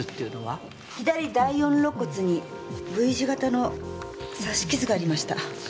左第四肋骨にＶ字型の刺し傷がありました。